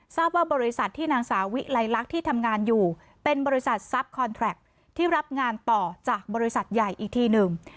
ทราบว่าบริษัทที่นางสาวิไลลักษณ์ที่ทำงานอยู่เป็นบริษัททรัพย์คอนแทรคที่รับงานต่อจากบริษัทใหญ่อีกทีหนึ่ง